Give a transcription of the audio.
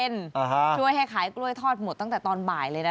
ช่วยให้ขายกล้วยทอดหมดตั้งแต่ตอนบ่ายเลยนะ